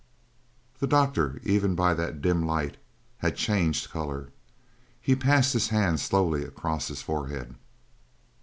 The doctor, even by that dim light, had changed colour. He passed his hand slowly across his forehead.